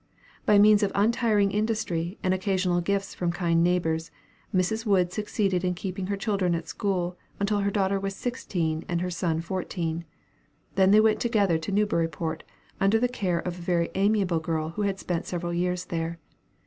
By means of untiring industry, and occasional gifts from her kind neighbors, Mrs. Wood succeeded in keeping her children at school, until her daughter was sixteen and her son fourteen. They then went together to Newburyport, under the care of a very amiable girl who had spent several years there.